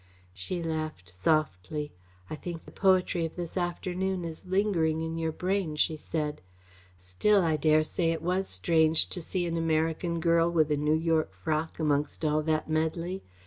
She laughed softly. "I think the poetry of this afternoon is lingering in your brain," she said. "Still, I dare say it was strange to see an American girl with a New York frock amongst all that medley.